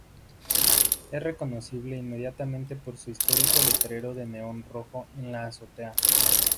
Es reconocible inmediatamente por su histórico letrero de neón rojo en la azotea.